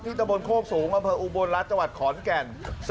ที่ตะบลโค้กสูงอำเภออุบลรัฐจขอนแก่น